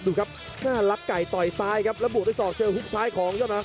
ดูครับน่ารักไก่ต่อยซ้ายครับแล้วบวกด้วยศอกเจอฮุกซ้ายของยอดนัก